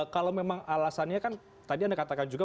kalau memang alasannya kan tadi anda katakan juga